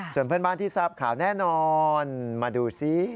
ส่วนเพื่อนบ้านที่ทราบข่าวแน่นอนมาดูซิ